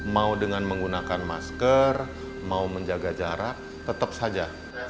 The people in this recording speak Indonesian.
mau dengan menggunakan masker mau menjaga jarak tetap saja